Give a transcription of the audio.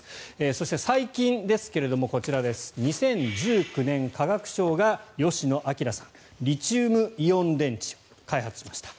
そして最近ですがこちら、２０１９年化学賞が吉野彰さんリチウムイオン電池を開発しました。